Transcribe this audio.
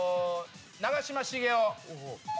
長嶋茂雄。